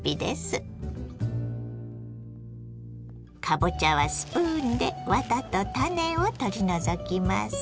かぼちゃはスプーンでワタと種を取り除きます。